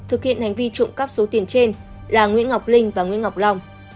thực hiện hành vi trộm cắp số tiền trên là nguyễn ngọc linh và nguyễn ngọc long